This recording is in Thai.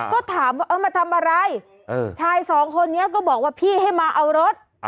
ก็ถามว่าเออมาทำอะไรชายสองคนนี้ก็บอกว่าพี่ให้มาเอารถ